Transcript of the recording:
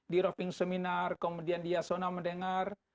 di ropping seminar kemudian di yasona mendengar